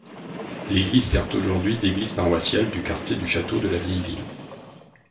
L'église sert aujourd'hui d'église paroissiale du quartier du château de la vieille ville.